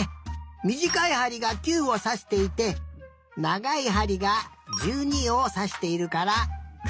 みじかいはりが９をさしていてながいはりが１２をさしているから９じだね。